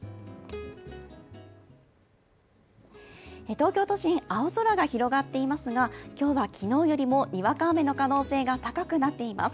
東京都心、青空が広がっていますが今日は昨日よりもにわか雨の可能性が高くなっています。